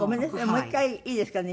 もう１回いいですかね？